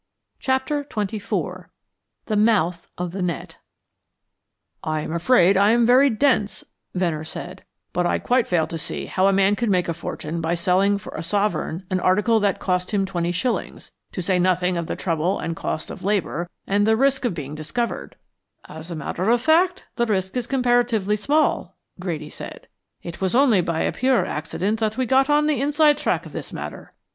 CHAPTER XXIV THE MOUTH OF THE NET "I am afraid I am very dense," Venner said, "but I quite fail to see how a man could make a fortune by selling for a sovereign an article that cost him twenty shillings, to say nothing of the trouble and cost of labor and the risk of being discovered " "As a matter of fact, the risk is comparatively small," Grady said. "It was only by a pure accident that we got on the inside track of this matter.